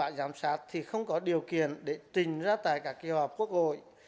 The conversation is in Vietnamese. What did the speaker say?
nội dung giám sát thì không có điều kiện để trình ra tại các kế hoạch quốc hội